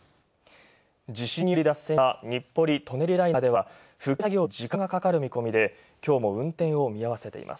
地震により脱線した「日暮里・舎人ライナー」では復旧作業に時間がかかる見込みで、今日も運転を見合わせています。